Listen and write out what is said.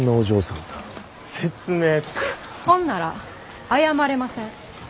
ほんなら謝れません。